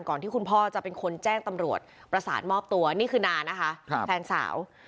ที่คุณพ่อจะเป็นคนแจ้งตำรวจประสานมอบตัวนี่คือนานะคะแฟนสาว